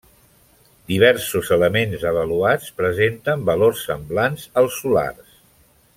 Diversos elements avaluats presenten valors semblants als solars.